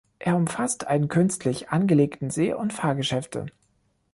Er umfasst einen künstlich angelegten See und Fahrgeschäfte.